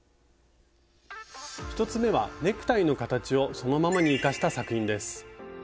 １つ目はネクタイの形をそのままに生かした作品です。